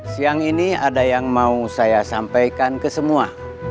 siang ini ada yang mau saya sampaikan ke semua